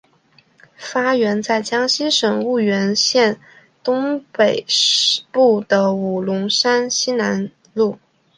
发源在江西省婺源县东北部的五龙山西南麓。